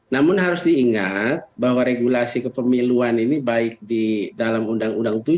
namun harus diingat bahwa regulasi kepemiluan ini baik di dalam undang undang tujuh